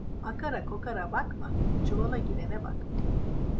Akara kokara bakma, çuvala girene bak.